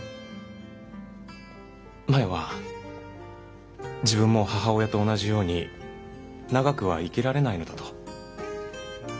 真与は自分も母親と同じように長くは生きられないのだと。